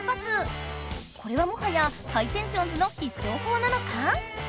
これはもはやハイテンションズのひっしょうほうなのか？